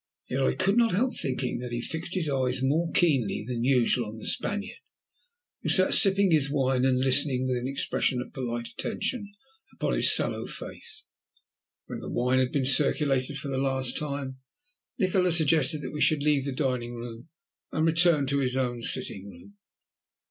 Yet I could not help thinking that he fixed his eyes more keenly than usual on the Spaniard, who sat sipping his wine and listening with an expression of polite attention upon his sallow face. When the wine had been circulated for the last time, Nikola suggested that we should leave the dining room and return to his own sitting room.